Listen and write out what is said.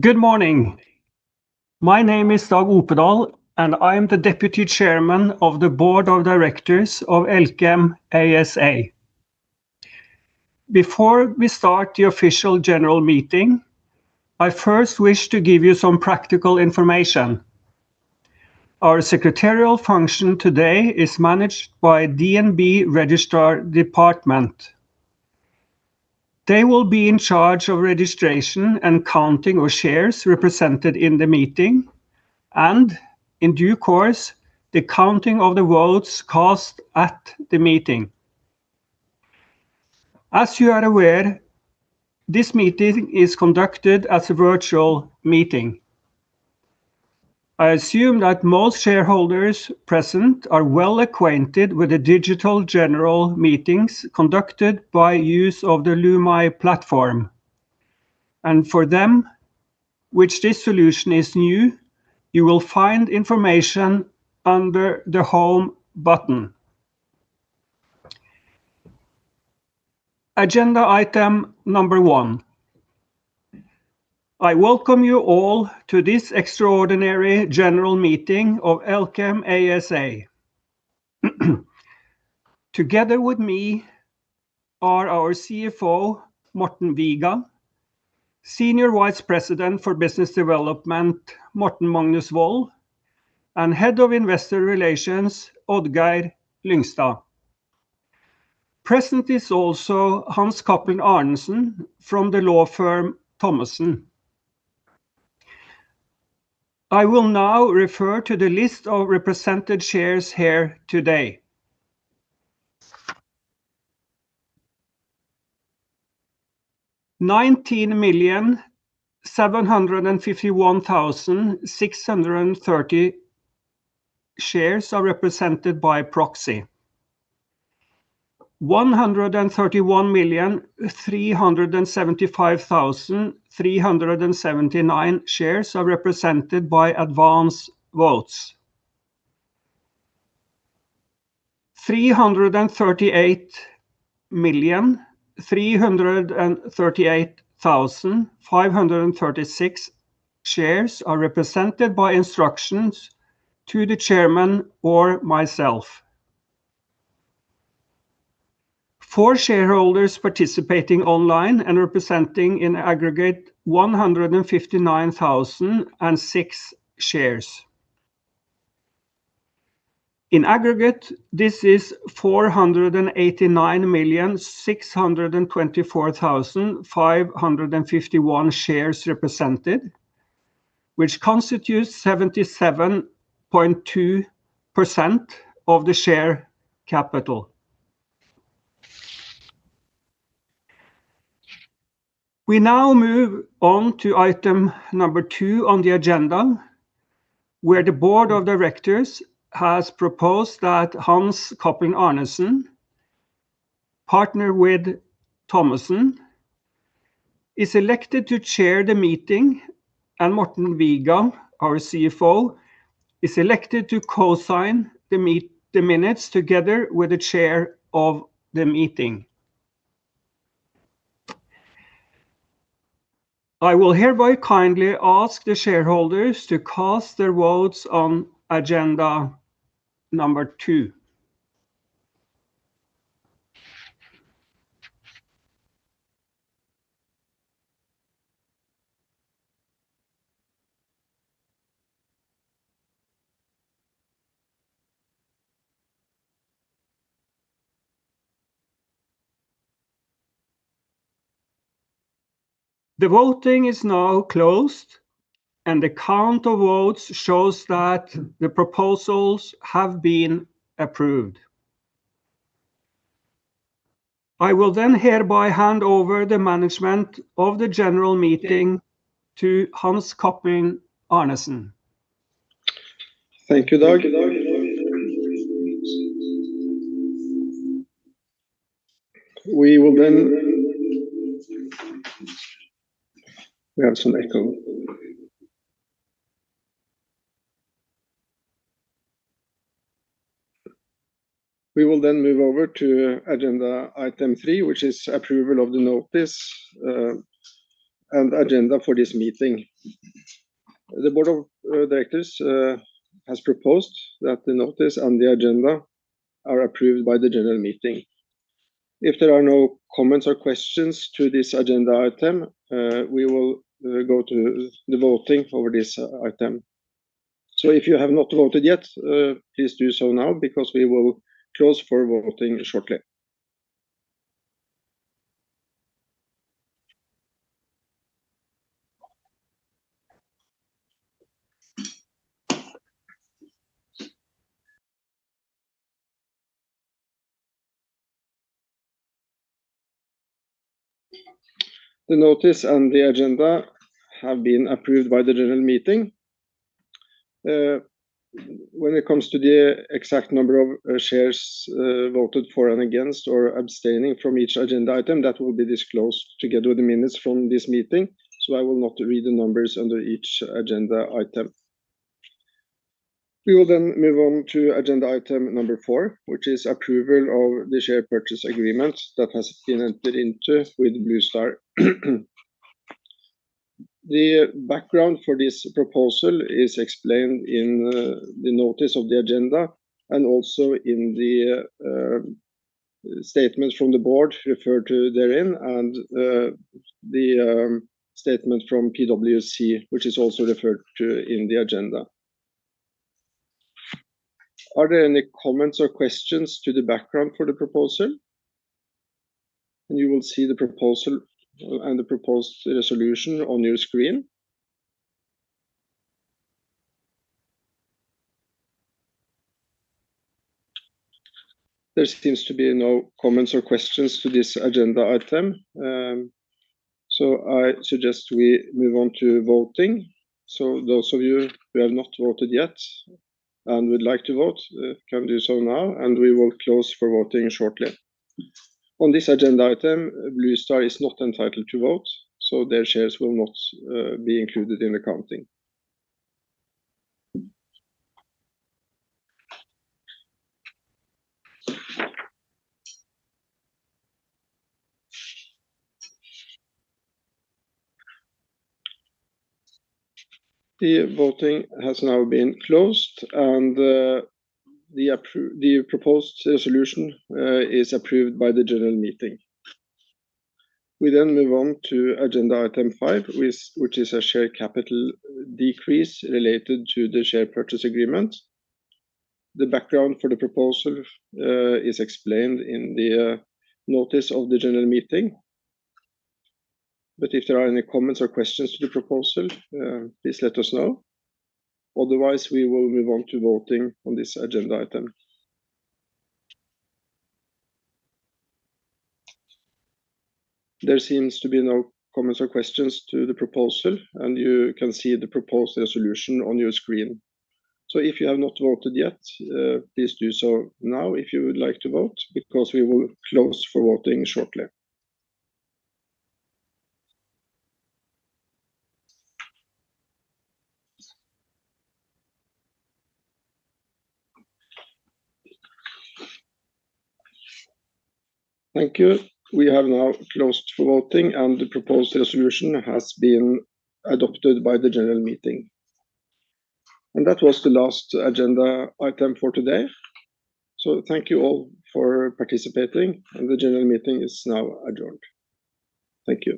Good morning. My name is Dag Opedal, I am the deputy chairman of the Board of Directors of Elkem ASA. Before we start the official general meeting, I first wish to give you some practical information. Our secretarial function today is managed by DNB Registrar Department. They will be in charge of registration and counting of shares represented in the meeting, and in due course, the counting of the votes cast at the meeting. As you are aware, this meeting is conducted as a virtual meeting. I assume that most shareholders present are well-acquainted with the digital general meetings conducted by use of the Lumi platform. For them which this solution is new, you will find information under the Home button. Agenda item number one. I welcome you all to this extraordinary general meeting of Elkem ASA. Together with me are our CFO, Morten Viga, Senior Vice President for Business Development, Morten Magnus Voll, and Head of Investor Relations, Odd-Geir Lyngstad. Present is also Hans Cappelen Arnesen from the law firm Thommessen. I will now refer to the list of represented shares here today. 19,751,630 shares are represented by proxy. 131,375,379 shares are represented by advance votes. 338,338,536 shares are represented by instructions to the chairman or myself. Four shareholders participating online and representing in aggregate 159,006 shares. In aggregate, this is 489,624,551 shares represented, which constitutes 77.2% of the share capital. We now move on to item number two on the agenda, where the Board of Directors has proposed that Hans Cappelen Arnesen, Partner with Thommessen, is elected to chair the meeting, and Morten Viga, our CFO, is elected to co-sign the minutes together with the chair of the meeting. I will hereby kindly ask the shareholders to cast their votes on agenda two. The voting is now closed, and the count of votes shows that the proposals have been approved. I will hereby hand over the management of the general meeting to Hans Cappelen Arnesen. Thank you, Dag. We have some echo. We will then move over to agenda item three, which is approval of the notice and agenda for this meeting. The Board of Directors has proposed that the notice on the agenda are approved by the General Meeting. If there are no comments or questions to this agenda item, we will go to the voting for this item. If you have not voted yet, please do so now because we will close for voting shortly. The notice and the agenda have been approved by the General Meeting. When it comes to the exact number of shares, voted for and against or abstaining from each agenda item, that will be disclosed together with the minutes from this meeting. I will not read the numbers under each agenda item. We will move on to agenda item number four, which is approval of the share purchase agreement that has been entered into with Bluestar. The background for this proposal is explained in the notice of the agenda and also in the statement from the board referred to therein, and the statement from PwC, which is also referred to in the agenda. Are there any comments or questions to the background for the proposal? You will see the proposal and the proposed solution on your screen. There seems to be no comments or questions to this agenda item, so I suggest we move on to voting. Those of you who have not voted yet and would like to vote can do so now, and we will close for voting shortly. Bluestar is not entitled to vote, so their shares will not be included in the counting. The voting has now been closed, the proposed solution is approved by the general meeting. Agenda item five, which is a share capital decrease related to the share purchase agreement. The background for the proposal is explained in the notice of the general meeting. If there are any comments or questions to the proposal, please let us know. Otherwise, we will move on to voting on this agenda item. There seems to be no comments or questions to the proposal, you can see the proposed solution on your screen. If you have not voted yet, please do so now if you would like to vote, because we will close for voting shortly. Thank you. We have now closed for voting. The proposed resolution has been adopted by the general meeting. That was the last agenda item for today. Thank you all for participating, and the general meeting is now adjourned. Thank you.